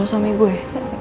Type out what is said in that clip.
sama suami gue